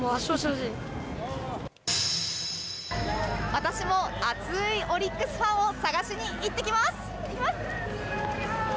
私も熱いオリックスファンを探しに行ってきます。